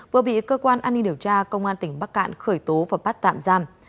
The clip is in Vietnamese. vừa bị cơ quan an ninh điều tra công an tỉnh bắc cạn khởi tố và bắt tạm giam